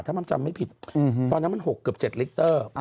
ถ้ามันจำไม่ผิดตอนนั้นมัน๖เกือบ๗ลิเตอร์